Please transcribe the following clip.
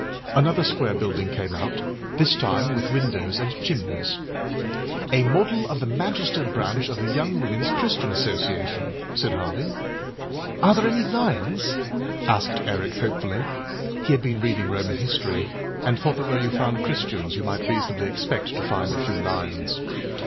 Another square building came out, this time with windows and chimneys. âA model of the Manchester branch of the Young Womenâs Christian Association,â said Harvey. âAre there any lions?â asked Eric hopefully. He had been reading Roman history and thought that where you found Christians you might reasonably expect to find a few lions.